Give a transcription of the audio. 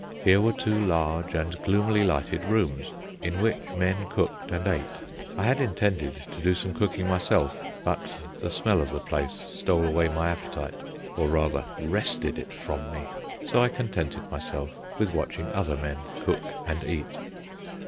Here were two large and gloomily lighted rooms, in which men cooked and ate. I had intended to do some cooking myself, but the smell of the place stole away my appetite, or, rather, wrested it from me; so I contented myself with watching other men cook and eat.